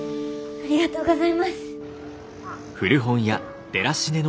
ありがとうございます。